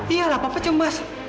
iya lah bapak cembah sih